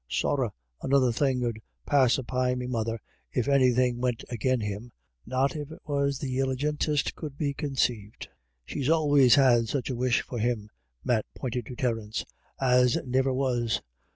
Sorra another thing 'ud pacify me mother, if anything went agin him — not if it was the iligintest could be consaived. She's always had such a wish for him "— Matt pointed to Terence — u as niver was.